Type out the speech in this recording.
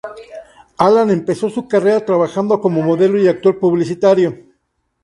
Alan empezó su carrera trabajando como modelo y actor publicitario.